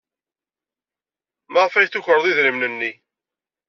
Maɣef ay tukred idrimen-nni?